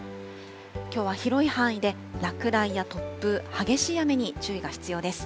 きょうは広い範囲で落雷や突風、激しい雨に注意が必要です。